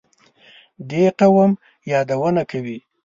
دې قوم یادونه کوي.